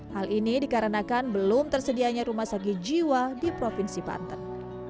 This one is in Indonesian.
hal ini dikarenakan belum tersedianya rumah sakit jiwa di provinsi banten